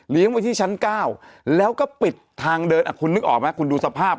ไว้ที่ชั้น๙แล้วก็ปิดทางเดินคุณนึกออกไหมคุณดูสภาพ